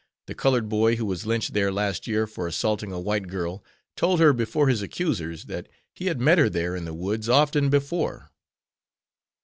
the colored boy who was lynched there last year for assaulting a white girl told her before his accusers that he had met her there in the woods often before.